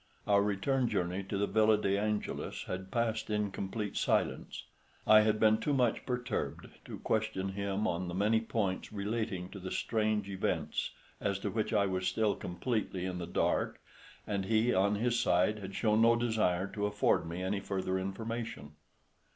Our return journey to the Villa de Angelis had passed in complete silence. I had been too much perturbed to question him on the many points relating to the strange events as to which I was still completely in the dark, and he on his side had shown no desire to afford me any further information.